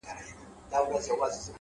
• سړي سمدستي تعویذ ورته انشاء کړ ,